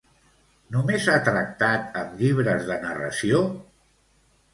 Només ha tractat amb llibres de narració?